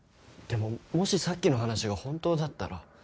でももしさっきの話が本当だったら。